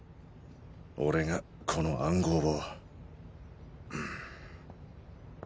俺がこの暗号をん？